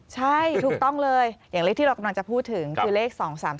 ใช่ถูกต้องเลยอย่างเลขที่เรากำลังจะพูดถึงคือเลข๒๓๓